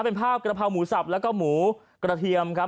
เป็นภาพกระเพราหมูสับแล้วก็หมูกระเทียมครับ